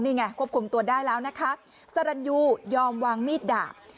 นี่ไงควบคุมตัวได้แล้วนะคะสรรยูยอมวางมีดดาบ